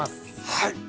はい。